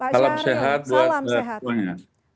salam sehat buat berduanya